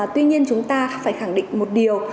tuy nhiên chúng ta phải khẳng định một điều